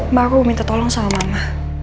ma aku mau minta tolong sama mama